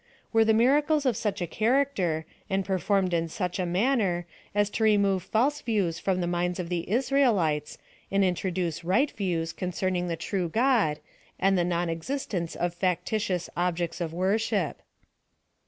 Were the mira cles of such a character, and performed in such a manner, as to remove false views from the minds of the Israelites, and introduce right views concern ing the true God, and the non existence of factitious objects of worship